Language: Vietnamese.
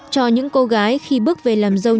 cho những cô gái khi bước về làm giám đoạn